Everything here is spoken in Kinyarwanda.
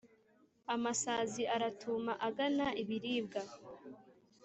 Amasazi araduma agana ibiribwa